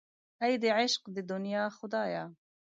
اې د عشق د دنیا خدایه.